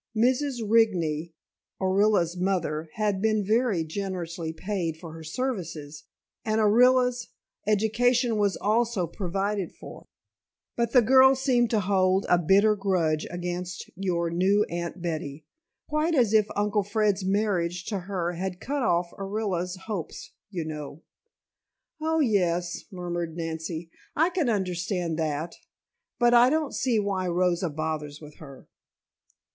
Mrs. Rigney, Orilla's mother, had been very generously paid for her services, and Orilla's education was also provided for; but the girl seems to hold a bitter grudge against your new Aunt Betty quite as if uncle Fred's marriage to her had cut off Orilla's hopes, you know." "Oh, yes," murmured Nancy. "I can understand that. But I don't see why Rosa bothers with her."